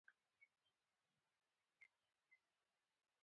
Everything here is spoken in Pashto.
سټيونز تر ټولو مهم میراث پر بایسکل سفر کول ګڼل.